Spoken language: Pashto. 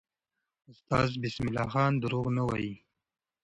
استاد بسم الله خان دروغ نه وایي.